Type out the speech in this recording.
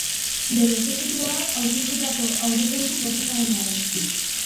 Bere exekutiboak aurkeztutako aurrekontu proposamenaren.